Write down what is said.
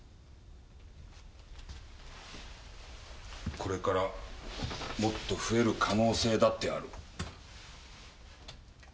これからもっと増える可能性だってある。